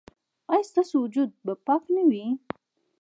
ایا ستاسو وجود به پاک نه وي؟